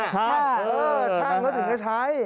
ช่างก็ถึงจะใช้